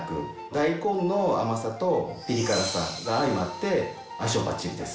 大根の甘さとピリ辛さがあいまって、相性ばっちりです。